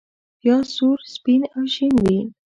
پیاز سور، سپین او شین وي